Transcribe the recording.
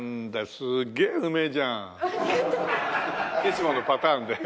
いつものパターンで。